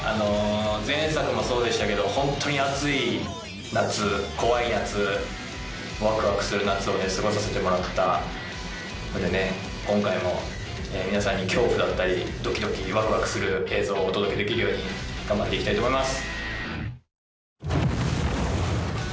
前作もそうでしたけどホントにアツい夏怖い夏ワクワクする夏を過ごさせてもらったので今回も皆さんに恐怖だったりドキドキワクワクする映像をお届けできるように頑張って行きたいと思います！